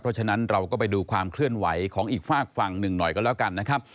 เพราะฉะนั้นเราก็ไปดูความเคลื่อนไหวของอีกฝากฝั่งหนึ่งหน่อยกันแล้วกันนะครับ